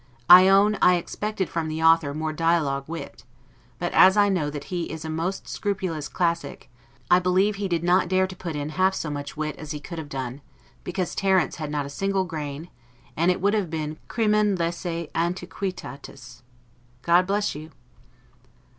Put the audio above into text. I own, I expected from the author more dialogue wit; but, as I know that he is a most scrupulous classic, I believe he did not dare to put in half so much wit as he could have done, because Terence had not a single grain; and it would have been 'crimen laesae antiquitatis'. God bless you!